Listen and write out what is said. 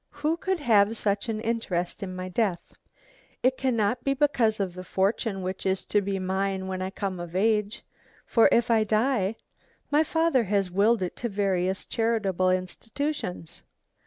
"Who could have such an interest in my death? It cannot be because of the fortune which is to be mine when I come of age; for if I die, my father has willed it to various charitable institutions.